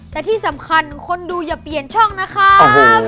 แต่ที่สำคัญคนดูอย่าเปลี่ยนช่องนะครับ